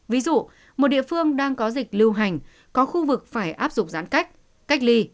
ví dụ một địa phương đang có dịch lưu hành có khu vực phải áp dụng giãn cách cách ly